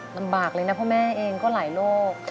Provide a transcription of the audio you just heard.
ลำบากเลยนะเพราะแม่เองก็หลายโรค